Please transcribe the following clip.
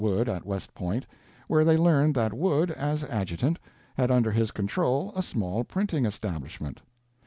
Wood at West Point, where they learned that Wood, as Adjutant, had under his control a small printing establishment.